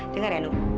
dengar ya nu